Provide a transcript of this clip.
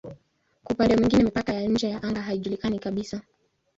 Kwa upande mwingine mipaka ya nje ya anga haijulikani kabisa.